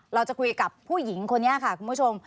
เราจะคุยกับผู้หญิงคนนี้ค่ะคุณผู้ชม